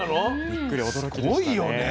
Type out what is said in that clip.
びっくり驚きでしたね。